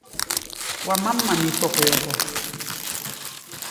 Wa mám mamí kpɔkɔyɔkɔ.